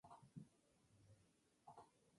Muere en el impacto.